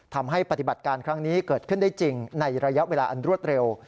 ทำให้ปฏิบัติการครั้งนี้เกิดขึ้นได้จริงในระยะเวลาอันรวดเร็ว